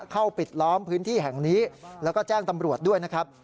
ปิดล้อมพื้นที่แห่งนี้แล้วก็แจ้งตำรวจด้วยนะครับ